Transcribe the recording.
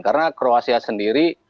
karena kroasia sendiri